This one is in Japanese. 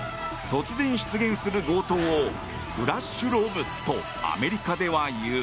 突然、出現する強盗をフラッシュロブとアメリカでは言う。